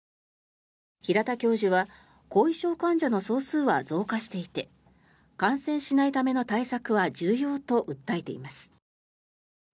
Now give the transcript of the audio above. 平田教授は後遺症患者の総数は増加していて感染しないための対策は重要と訴えています。